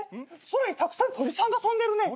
空にたくさん鳥さんが飛んでるね」